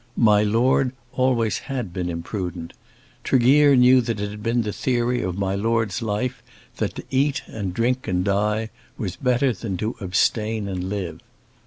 "My Lord" always had been imprudent. Tregear knew that it had been the theory of my Lord's life that to eat and drink and die was better than to abstain and live.